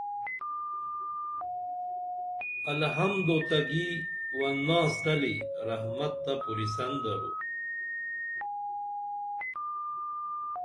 الحمدُ تہ گی وناس تلی رحمت تہ پُریسن درو